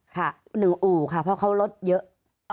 ค่ะ๑อู่ค่ะเพราะเขารถเยอะ